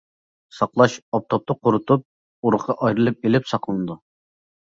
ساقلاش ئاپتاپتا قۇرۇتۇپ ئۇرۇقى ئايرىپ ئېلىپ، ساقلىنىدۇ.